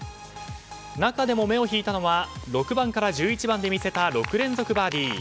中でも目を引いたのは６番から１１番で見せた６連続バーディー。